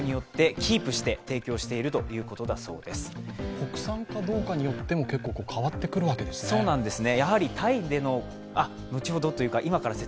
国産かどうかによって変わってくるわけですね。